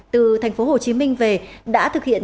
từ tp hồ chí minh về đã thực hiện